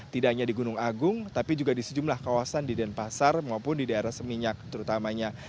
tidak hanya di gunung agung tapi juga di sejumlah kawasan di denpasar maupun di daerah seminyak terutamanya